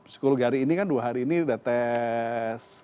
sepuluh hari ini kan dua hari ini sudah tes